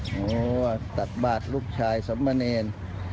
โหวตัดบาทลูกชายสำเนร